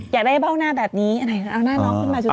อยากได้เบ้าหน้าแบบนี้เอาหน้าน้องขึ้นมา